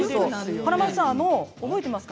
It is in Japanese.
華丸さん覚えてますか。